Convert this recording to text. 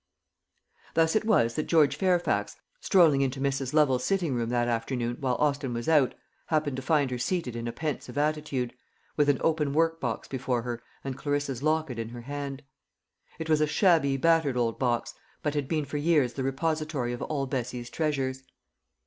Thus it was that George Fairfax, strolling into Mrs. Lovel's sitting room that afternoon while Austin was out, happened to find her seated in a pensive attitude, with an open work box before her and Clarissa's locket in her hand. It was a shabby battered old box, but had been for years the repository of all Bessie's treasures.